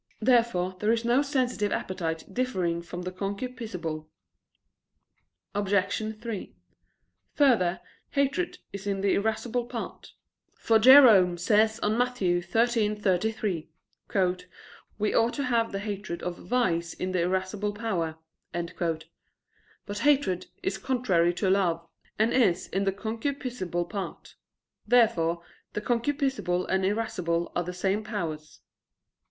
Therefore there is no sensitive appetite differing from the concupiscible. Obj. 3: Further, hatred is in the irascible part: for Jerome says on Matt. 13:33: "We ought to have the hatred of vice in the irascible power." But hatred is contrary to love, and is in the concupiscible part. Therefore the concupiscible and irascible are the same powers.